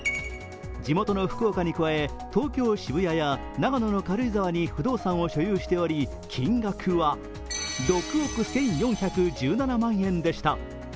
地元の福岡に加え、東京・渋谷や長野の軽井沢に不動産を所有しており、金額は６億１４１７万円でした。